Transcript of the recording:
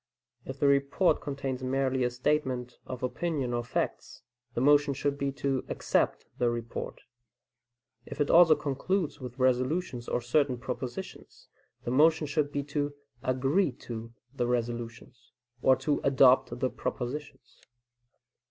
If the report contains merely a statement of opinion or facts, the motion should be to "accept" the report; if it also concludes with resolutions or certain propositions, the motion should be to "agree to" the resolutions, or to "adopt" the propositions.